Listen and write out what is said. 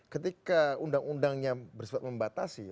ketika undang undangnya bersifat membatasi